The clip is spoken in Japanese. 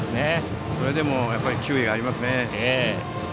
それでも球威がありますね。